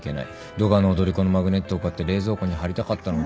ドガの踊り子のマグネットを買って冷蔵庫に張りたかったのに。